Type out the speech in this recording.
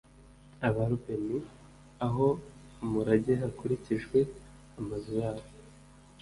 Abarubeni a ho umurage hakurikijwe amazu yabo